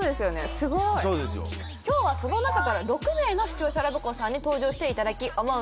すごい今日はその中から６名の視聴者ラブ子さんに登場していただき思う